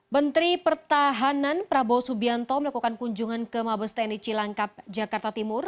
menteri pertahanan prabowo subianto melakukan kunjungan ke mabes tni cilangkap jakarta timur